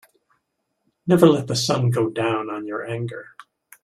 Never let the sun go down on your anger.